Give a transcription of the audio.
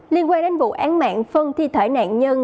liên quan đến vụ án mạng phân thi thể nạn nhân